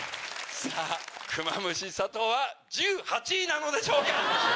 さぁクマムシ・佐藤は１８位なのでしょうか